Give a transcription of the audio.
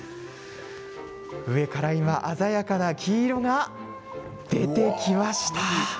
上から今鮮やかな黄色が出てきました。